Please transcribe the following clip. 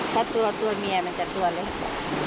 ถ้าตัวเมียมันจะตัวเล็ก